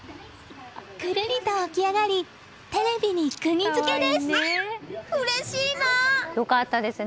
くるりと起き上がりテレビに釘付けです。